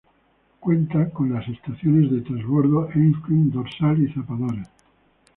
Cuenta con las estaciones de transbordo "Einstein, Dorsal y Zapadores.